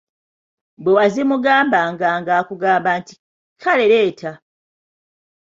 Bwe wazimugambanga ng'akugamba nti: "Kale leeta.